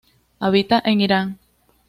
Habita en Irán.